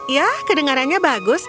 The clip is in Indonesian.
ya kedengarannya bagus